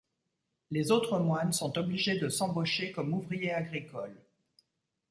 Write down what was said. Les autres moines sont obligés de s'embaucher comme ouvriers agricoles.